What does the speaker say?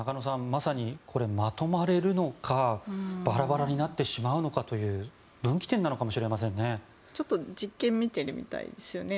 まさに、まとまれるのかバラバラになってしまうのかという分岐点なのかもしれないですね。